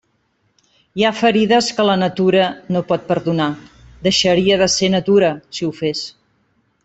Hi ha ferides que la natura no pot perdonar; deixaria de ser natura si ho fes.